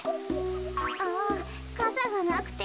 あぁかさがなくて。